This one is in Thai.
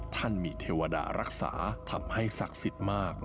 ท่านมีเทวดารักษาทำให้ศักดิ์สิทธิ์มาก